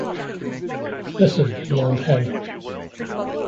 Listen, you old hen!